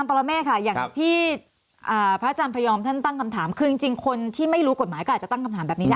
พระอาจารย์พยอมท่านตั้งคำถามคือจริงคนที่ไม่รู้กฎหมายก็อาจจะตั้งคำถามแบบนี้